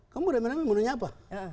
kamu udah menemani menenyapa